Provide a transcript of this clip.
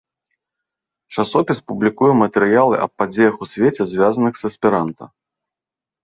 Часопіс публікуе матэрыялы аб падзеях у свеце, звязаных з эсперанта.